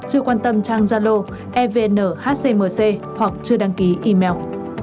chưa quan tâm trang jalo evnhcmc hoặc chưa đăng ký email